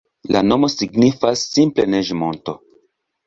La nomo signifas simple Neĝ-monto.